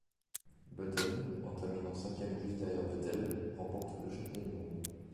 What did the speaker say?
Button, en terminant cinquième juste derrière Vettel, remporte le championnat du monde.